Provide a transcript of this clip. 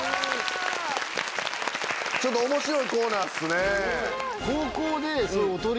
ちょっと面白いコーナーっすね。